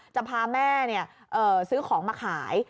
จะพาแม่ซื้อของมาขาย